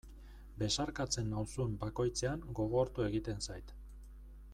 Besarkatzen nauzun bakoitzean gogortu egiten zait.